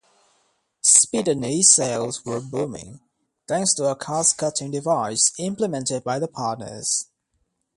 Speedene sales were booming, thanks to a cost-cutting device implemented by the partners.